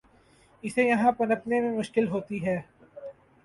اسے یہاں پنپنے میں مشکل ہوتی ہے۔